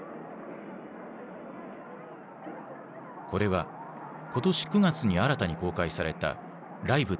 これは今年９月に新たに公開されたライブ当日の映像。